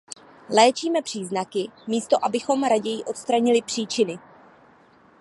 Léčíme příznaky, místo abychom raději odstranili příčiny.